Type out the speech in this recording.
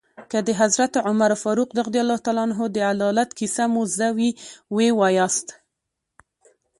که د حضرت عمر فاروق رض د عدالت کیسه مو زده وي ويې وایاست.